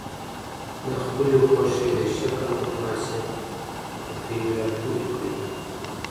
د خپلې خوښې د شکل متناسب قطي را ټولې کړئ.